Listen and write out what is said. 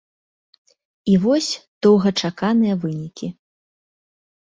І вось доўгачаканыя вынікі.